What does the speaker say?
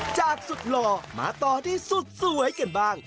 จากสุดหล่อมาต่อที่สุดสวยกันบ้าง